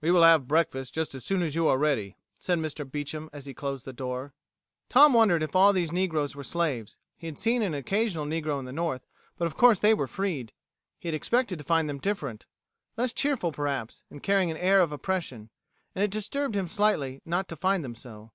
"We will have breakfast just as soon as you are ready," said Mr. Beecham as he closed the door. Tom wondered if all these negroes were slaves. He had seen an occasional negro in the North, but of course they were freed. He had expected to find them different; less cheerful, perhaps, and carrying an air of oppression. And it disturbed him slightly not to find them so.